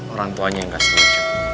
orang tuanya yang gak setuju